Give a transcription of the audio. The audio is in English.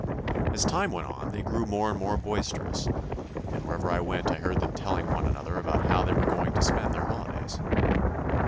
As time went on they grew more and more THE NEW BOY 75 boisterous, and wherever I went I heard them telling one another how they were going to spend their holidays.